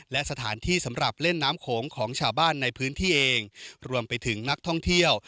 และสถานที่สำหรับเล่นน้ำโขงของชาวบ้านในพื้นที่เองรวมไปถึงนักท่องเที่ยว